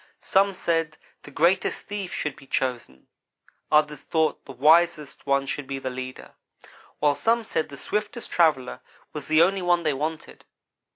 Some said the greatest thief should be chosen. Others thought the wisest one should be the leader; while some said the swiftest traveller was the one they wanted.